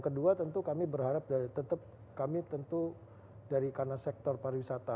kedua tentu kami berharap dari tetap kami tentu dari karena sektor pariwisata